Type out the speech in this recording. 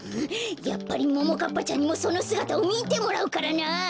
やっぱりももかっぱちゃんにもそのすがたをみてもらうからな！